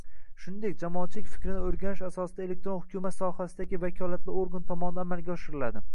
shuningdek jamoatchilik fikrini o‘rganish asosida elektron hukumat sohasidagi vakolatli organ tomonidan amalga oshiriladi.